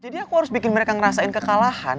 jadi aku harus bikin mereka ngerasain kekalahan